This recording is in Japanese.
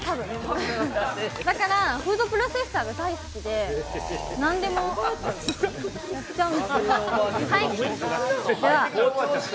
だからフードプロセッサーが大好きで、何でもやっちゃうんですよ。